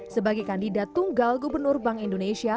sebagai kandidat tunggal gubernur bank indonesia